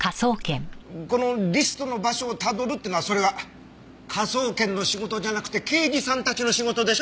このリストの場所をたどるっていうのはそれは科捜研の仕事じゃなくて刑事さんたちの仕事でしょ。